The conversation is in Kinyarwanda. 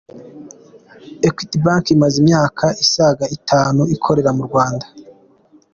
Equity Bank imaze imyaka isaga itanu ikorera mu Rwanda.